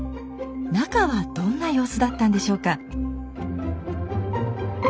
中はどんな様子だったんでしょうか。